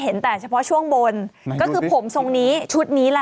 เห็นแต่เฉพาะช่วงบนก็คือผมทรงนี้ชุดนี้ล่ะ